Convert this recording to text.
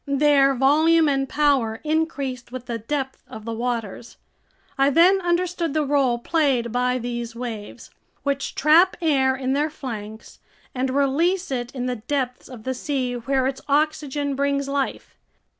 Their volume and power increased with the depth of the waters. I then understood the role played by these waves, which trap air in their flanks and release it in the depths of the sea where its oxygen brings life.